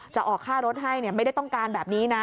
จะออกค่ารถให้ไม่ได้ต้องการแบบนี้นะ